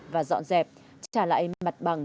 và dọn dẹp trả lại mặt bằng